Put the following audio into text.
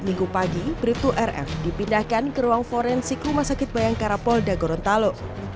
minggu pagi brib dua rf dipindahkan ke ruang forensik rumah sakit bayangkara polda gorontalo